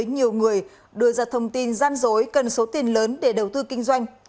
nhiều người đưa ra thông tin gian dối cần số tiền lớn để đầu tư kinh doanh